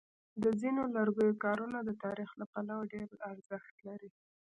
د ځینو لرګیو کارونه د تاریخ له پلوه ډېر ارزښت لري.